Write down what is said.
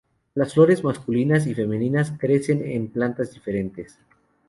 Las flores masculinas y femeninas crecen en plantas diferentes.